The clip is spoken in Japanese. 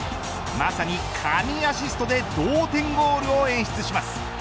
まさに神アシストで同点ゴールを演出します。